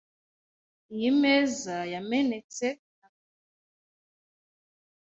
Iyi meza yamenetse na Tony .